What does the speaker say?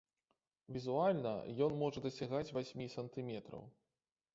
Візуальна ён можа дасягаць васьмі сантыметраў.